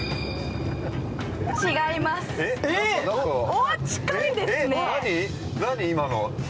おー、近いですね。